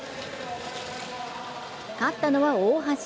勝ったのは大橋。